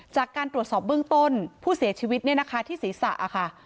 จากการตรวจสอบเบื้องต้นผู้เสียชีวิตที่ศีรษะ